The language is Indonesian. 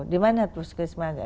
di mana puskesmasnya